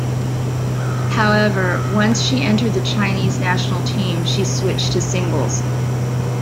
However, once she entered the Chinese national team, she switched to singles.